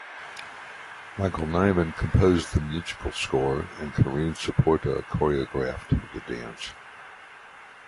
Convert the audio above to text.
Michael Nyman composed the musical score and Karine Saporta choreographed the dance.